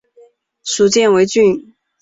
属犍为郡。